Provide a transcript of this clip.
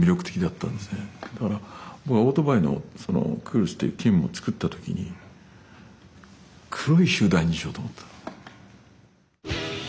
だから僕はオートバイのそのクールスというチームを作った時に黒い集団にしようと思った。